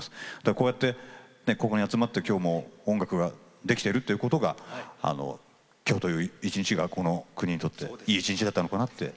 こうやって、集まって今日も音楽をできているということが今日という一日がこの国にとっていい一日だったのかなって。